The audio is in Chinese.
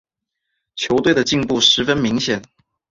球队的进步十分明显。